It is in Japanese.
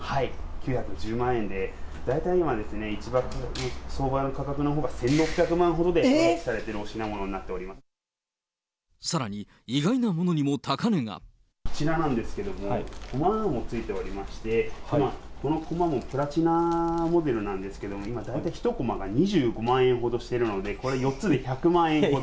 ９１０万円で、大体今ですね、相場の価格のほうが１６００万ほどで取り引きされているお品物にさらに、意外なものにも高値こちらなんですけども、コマもついておりまして、このコマもプラチナモデルなんですけど、今大体１コマが２５万円ほどしているので、これ４つで１００万円ほど。